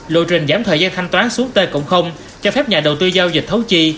lộ trình giảm thời gian thanh toán xuống t cho phép nhà đầu tư giao dịch thấu chi